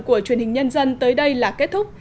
của truyền hình nhân dân tới đây là kết thúc